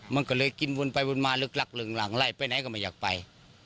มันก็เลยกินวนไปวนมาลึกลักลึงหลังไล่ไปไหนก็ไม่อยากไป